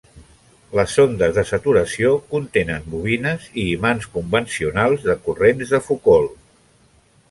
Les sondes de saturació contenen bobines i imants convencionals de corrents de Foucault.